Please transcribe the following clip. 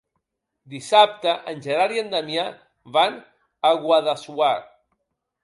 Dissabte en Gerard i en Damià van a Guadassuar.